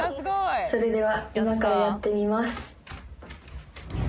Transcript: それでは今からやってみます